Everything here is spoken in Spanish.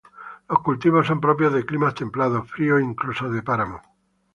Los cultivos son propios de climas templado, frío e incluso de páramo.